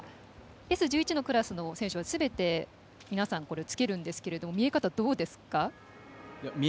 Ｓ１１のクラスの選手はすべてこれをつけるんですが見え方、どうですか？